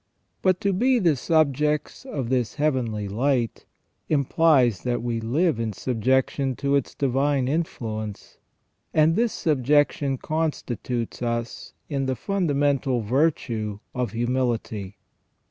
But to be the subjects of this heavenly light implies that we live in subjection to its divine influence, and this subjection constitutes us in the fundamental virtue of humility.